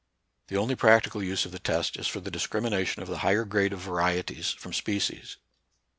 The only practical use of the test is for the discrimination of the higher grade of varieties from species.